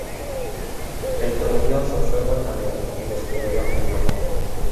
En Tomelloso fue jornalero y descubrió el amor.